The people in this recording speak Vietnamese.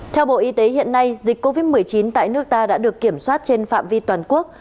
theo bộ y tế hiện nay dịch covid một mươi chín tại nước ta đã được kiểm soát trên phạm vi toàn quốc